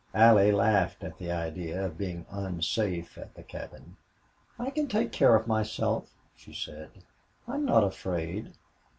Allie laughed at the idea of being unsafe at the cabin. "I can take care of myself," she said. "I'm not afraid."